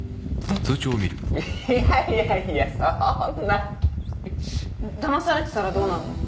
いやいやいやそんなだまされてたらどうなんの？